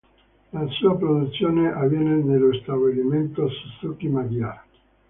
La sua produzione avviene nello stabilimento Suzuki Magyar.